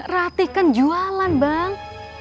rati kan jualan bang